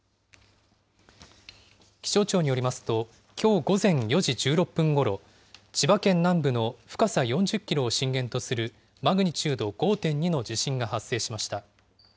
気象庁によりますと、きょう午前４時１６分ごろ、千葉県南部の深さ４０キロを震源とするマグニチュード５．２の地震が発生しました。